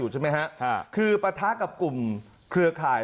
ใช่ไหมฮะคือปะทะกับกลุ่มเครือข่าย